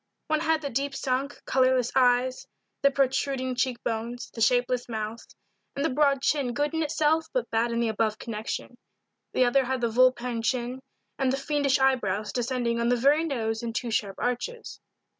One had the deep sunk, colorless eyes, the protruding cheek bones, the shapeless mouth, and the broad chin good in itself but bad in the above connection; the other had the vulpine chin, and the fiendish eyebrows descending on the very nose in two sharp arches.